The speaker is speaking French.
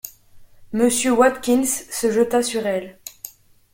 Mr. Watkins se jeta sur elle.